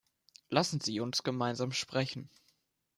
Lassen Sie uns gemeinsam sprechen.